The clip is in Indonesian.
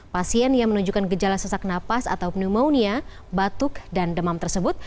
pasien yang menunjukkan gejala sesak napas atau pneumonia batuk dan demam tersebut